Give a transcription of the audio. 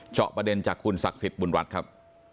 เจาะประเด็นจากคุณศักดิ์สิทธิ์บุญรัฐครับ